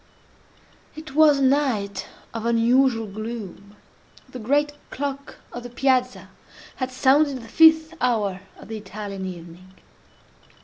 It was a night of unusual gloom. The great clock of the Piazza had sounded the fifth hour of the Italian evening.